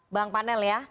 bang panel ya